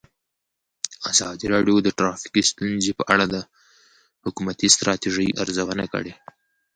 ازادي راډیو د ټرافیکي ستونزې په اړه د حکومتي ستراتیژۍ ارزونه کړې.